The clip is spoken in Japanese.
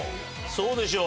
そうでしょう。